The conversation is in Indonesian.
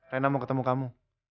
rena mau ketemu kamu